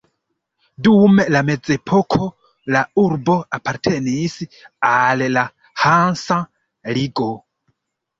Dum la mezepoko, la urbo apartenis al la Hansa Ligo.